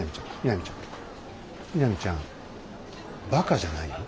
みなみちゃんバカじゃないよ。